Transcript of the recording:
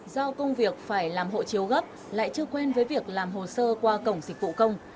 do công việc phải làm hộ chiếu gấp lại chưa quen với việc làm hồ sơ qua cổng dịch vụ công